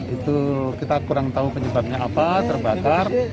itu kita kurang tahu penyebabnya apa terbakar